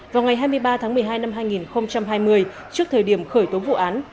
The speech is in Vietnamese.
vào ngày hai mươi ba tháng một mươi hai năm hai nghìn hai mươi trước thời điểm khởi tố vụ án